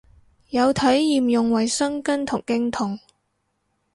有體驗用衛生巾同經痛